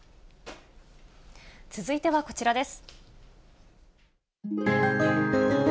続いてはこちらです。